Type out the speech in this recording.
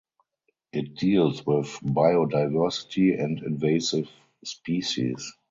It deals with biodiversity and invasive species.